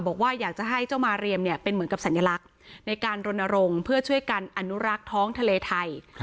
บอกว่าอยากจะให้เจ้ามาเรียมเนี่ยเป็นเหมือนกับสัญลักษณ์ในการรณรงค์เพื่อช่วยกันอนุรักษ์ท้องทะเลไทย